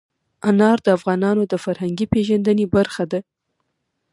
انار د افغانانو د فرهنګي پیژندنې برخه ده.